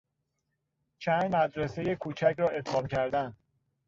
چند مدرسهی کوچک را ادغام کردن